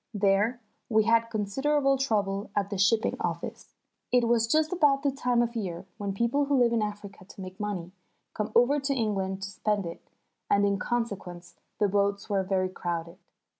There we had considerable trouble at the shipping office. It was just about the time of year when people who live in Africa to make money, come over to England to spend it, and in consequence the boats were very crowded.